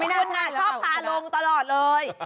ไม่รู้นะชอบพาลงตลอดเลย